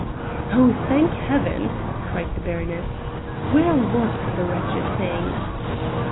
"Oh, thank Heaven!" cried the baroness, "where was the wretched thing?"